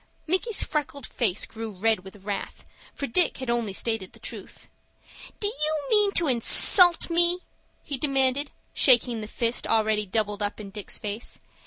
Micky's freckled face grew red with wrath, for Dick had only stated the truth. "Do you mean to insult me?" he demanded shaking the fist already doubled up in Dick's face.